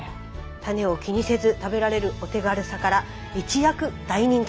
種を気にせず食べられるお手軽さから一躍大人気に。